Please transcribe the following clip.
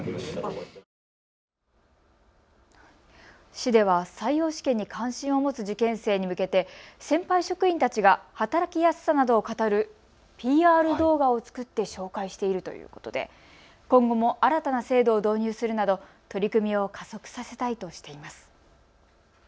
市では採用試験に関心を持つ受験生に向けて先輩職員たちが働きやすさなどを語るＰＲ動画を作って紹介しているということで今後も新たな制度を導入するなど、取り組みを加速させたいとしています。